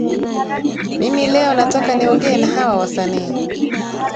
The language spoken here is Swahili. mimi leo nataka niongee na hawa wasanii